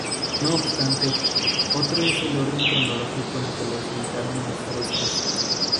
No obstante, otro es el orden cronológico en que se pintaron los frescos.